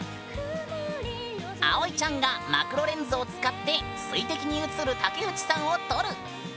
葵ちゃんがマクロレンズを使って水滴に映る竹内さんを撮る。